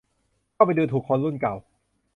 ก็ไปดูถูกคนรุ่นเก่า